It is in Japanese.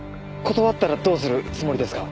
断ったらどうするつもりですか？